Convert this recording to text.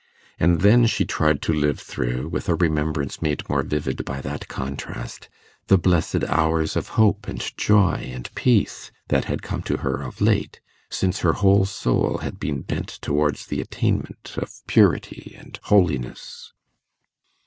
And then she tried to live through, with a remembrance made more vivid by that contrast, the blessed hours of hope and joy and peace that had come to her of late, since her whole soul had been bent towards the attainment of purity and holiness.